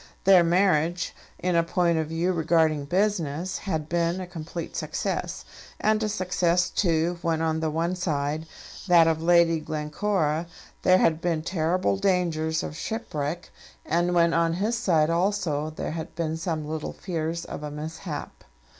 Their marriage, in a point of view regarding business, had been a complete success, and a success, too, when on the one side, that of Lady Glencora, there had been terrible dangers of shipwreck, and when on his side also there had been some little fears of a mishap.